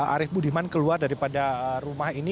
arief budiman keluar daripada rumah ini